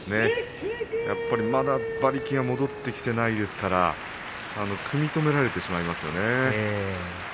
やっぱり、まだ馬力が戻ってきていないですから組み止められてしまいますよね。